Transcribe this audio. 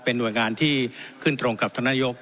เป็นหน่วยงานที่ขึ้นตรงกับธนายก